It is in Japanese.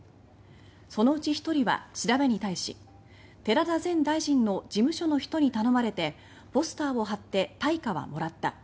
そのうち１人は調べに対し「寺田前大臣の事務所の人に頼まれてポスターを貼って対価はもらった」